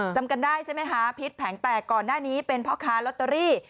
จำกันได้ใช่ไหมคะพิษแผงแตกก่อนหน้านี้เป็นพ่อค้าลอตเตอรี่